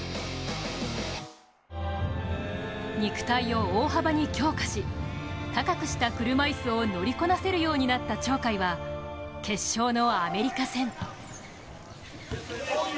肉体を大幅に強化し高くした車いすを乗りこなせるようになった鳥海は決勝のアメリカ戦。